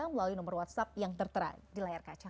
melalui nomor whatsapp yang tertera di layar kaca